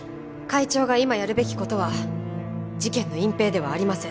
会長が今やるべき事は事件の隠蔽ではありません。